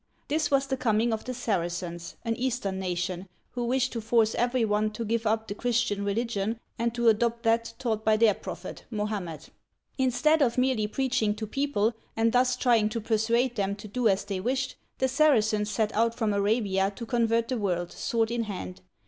This was the coming of the Sar'acens, an Eastern nation, who wished to force every one to give up the Christian religion and to adopt that taught by their prophet, Mohammed. Instead of merely preaching to people, and thus trying to persuade them to do as they wished, the Saracens set out from Arabia to convert the world, sword in hand.